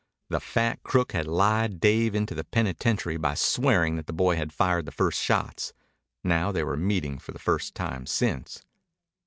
The fat crook had lied Dave into the penitentiary by swearing that the boy had fired the first shots. Now they were meeting for the first time since.